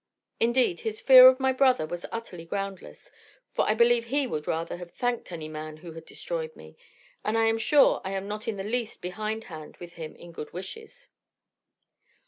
Indeed his fear of my brother was utterly groundless; for I believe he would rather have thanked any man who had destroyed me; and I am sure I am not in the least behindhand with him in good wishes.